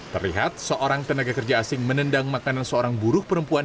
terlihat seorang tenaga kerja asing menendang makanan seorang buruh perempuan